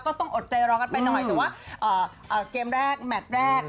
อดใจรอกันไปหน่อยแต่ว่าเกมแรกแมทแรก